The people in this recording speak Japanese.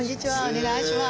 お願いします。